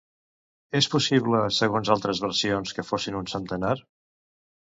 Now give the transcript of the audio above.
És possible, segons altres versions, que fossin un centenar?